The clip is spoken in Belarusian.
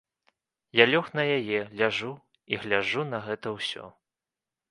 Я лёг на яе, ляжу і гляджу на гэта ўсё.